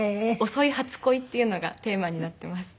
遅い初恋っていうのがテーマになってます。